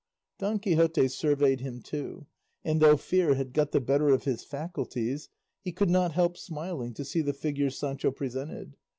Don Quixote surveyed him too, and though fear had got the better of his faculties, he could not help smiling to see the figure Sancho presented.